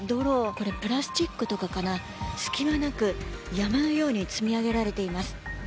これはプラスチックとかかな隙間なく山のように積み上げられています。